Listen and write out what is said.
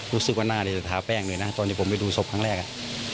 รู้สึกว่าน่าจะท้าแป้งเลยนะตอนที่ผมไปดูศพครั้งแรกอ่ะ